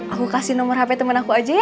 aku kasih nomor hp temen aku aja ya